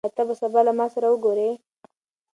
آيا ته به سبا له ما سره وګورې؟